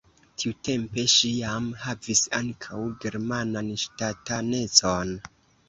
Tiutempe ŝi jam havis ankaŭ germanan ŝtatanecon.